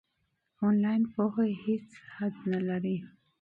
آنلاین پوهه هیڅ حد نلري.